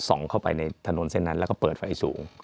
เข้าไปในถนนเส้นนั้นแล้วก็เปิดไฟสูง